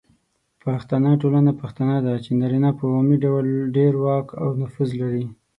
پښتنه ټولنه پښتنه ده، چې نارینه په عمومي ډول ډیر واک او نفوذ لري.